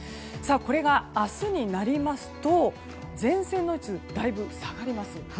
これが明日になりますと前線の位置がだいぶ下がります。